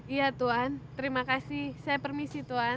iya tuan terima kasih saya permisi tuan